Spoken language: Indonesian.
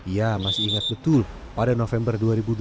ia masih ingat betul pada november dua ribu dua puluh